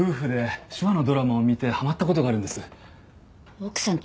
奥さんと？